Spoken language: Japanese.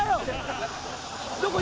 どこ？